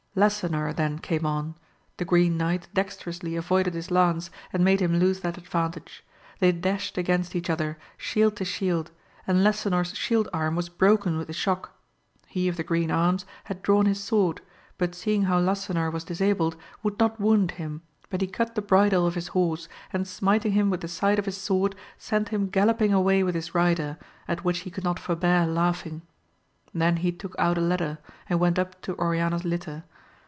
Lasanor then came on, the Green Knight dexterously avoided his lance, and made him lose that advantage ; they dashed against each other, shield to shield, and Lasanor's shield arm was broken with the shock ; he of the green arms had drawn his sword, but seeing how Lasanor was disabled would not wound him, but he cut the bridle of his horse, and smiting him with the side of his sword, sent him gaUopping away with his rider, at which he could not forbear laughing. Then he took out a letter, and went up to Oriana's litter.